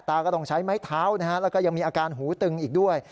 ก็ต้องใช้ไม้เท้านะฮะแล้วก็ยังมีอาการหูตึงอีกด้วย